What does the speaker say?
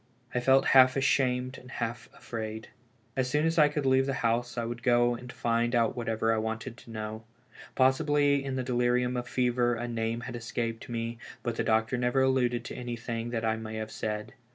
I felt half ashamed and half afraid. As soon as I could leave the house I would BACK FROM THE GRAVE. 275 go and find out whatever T wanted to know. Possibly in the delirium of fever a name had escaped me ; but the doctor never alluded to anything I may have said.